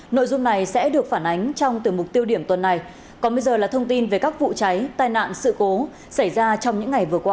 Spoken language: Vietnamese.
nội dung này sẽ được phản ánh trong từ mục tiêu điểm tuần này còn bây giờ là thông tin về các vụ cháy tai nạn sự cố xảy ra trong những ngày vừa qua